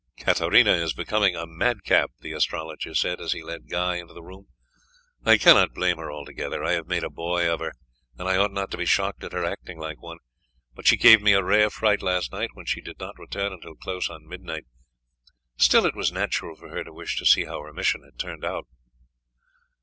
"Katarina is becoming a madcap," the astrologer said, as he led Guy into the room. "I cannot blame her altogether; I have made a boy of her, and I ought not to be shocked at her acting like one. But she gave me a rare fright last night when she did not return until close on midnight. Still, it was natural for her to wish to see how her mission had turned out."